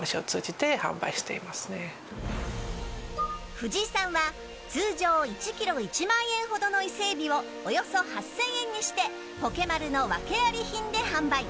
藤井さんは通常１キロ１万円ほどの伊勢エビをおよそ８０００円にしてポケマルの訳あり品で販売。